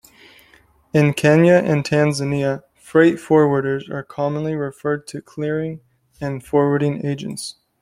In Kenya and Tanzania freight forwarders are commonly referred to clearing and forwarding agents.